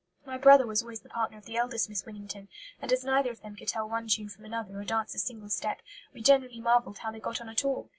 My brother was always the partner of the eldest Miss Winnington, and as neither of them could tell one tune from another or dance a single step, we generally marvelled how they got on at all.